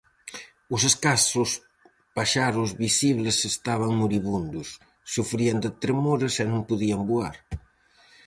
Os escasos paxaros visibles estaban moribundos; sufrían de tremores e non podían voar.